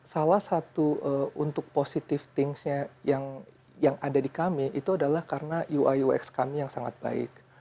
salah satu untuk positive thinks nya yang ada di kami itu adalah karena uiux kami yang sangat baik